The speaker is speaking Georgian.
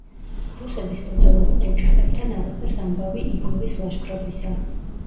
რუსების ბრძოლას ყივჩაყებთან აღწერს „ამბავი იგორის ლაშქრობისა“.